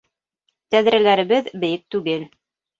Тәҙрәләребеҙ бейек түгел